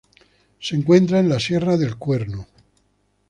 Se encuentra en la sierra del Cuerno.